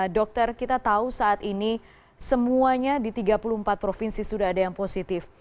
dokter kita tahu saat ini semuanya di tiga puluh empat provinsi sudah ada yang positif